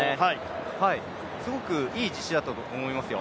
すごくいい実施だったと思いますよ。